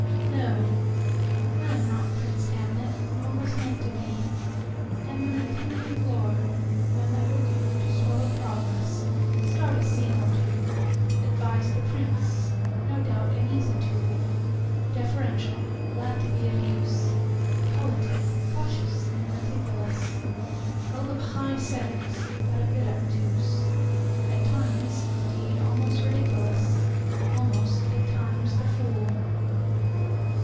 ……..No! I am not Prince Hamlet, nor was meant to be; Am an attendant lord, one that will doTo swell a progress, start a scene or two, Advise the prince; no doubt, an easy tool, Deferential, glad to be of use, Politic, cautious, and meticulous; Full of high sentence, but a bit obtuse; At times, indeed, almost ridiculous—Almost, at times, the Fool.